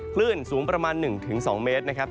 คลื่นสูงประมาณ๑๒เมตรนะครับ